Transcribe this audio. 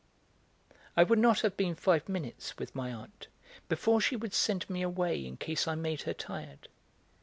I would not have been five minutes with my aunt before she would send me away in case I made her tired.